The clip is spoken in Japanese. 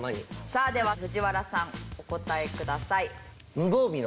さあでは藤原さんお答えください。